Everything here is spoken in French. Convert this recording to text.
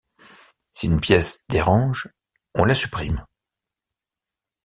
Si une pièce dérange, on la supprime.